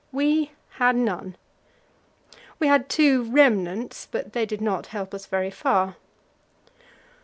We had none. We had two remnants, but they did not help us very far.